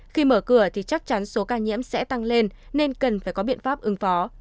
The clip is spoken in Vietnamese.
khi mở cửa thì chắc chắn số ca nhiễm sẽ tăng lên nên cần phải có biện pháp ứng phó